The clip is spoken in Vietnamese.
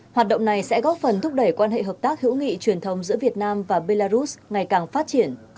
hoạt động này sẽ góp phần thúc đẩy quan hệ hợp tác hữu nghị truyền thống giữa việt nam và belarus ngày càng phát triển